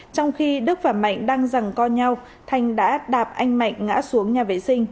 trong khi đức và mạnh đang rằng co nhau thành đã đạp anh mạnh ngã xuống nhà vệ sinh